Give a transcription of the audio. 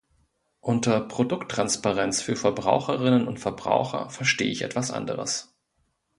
Unter Produkttransparenz für Verbraucherinnen und Verbraucher verstehe ich etwas anderes.